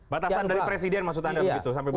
batasan dari presiden maksud anda begitu